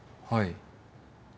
はい。